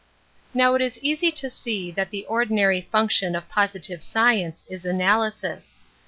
Now it is easy to see that the ordinary function of positive science is analysis.